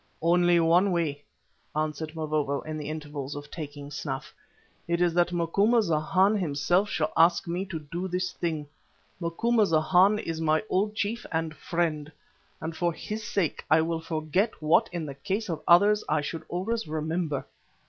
"Only one way," answered Mavovo in the intervals of taking snuff. "It is that Macumazana himself shall ask me to do this thing, Macumazana is my old chief and friend, and for his sake I will forget what in the case of others I should always remember.